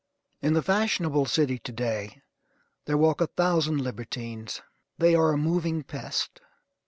In the fashionable city to day there walk a thousand libertines. They are a moving pest.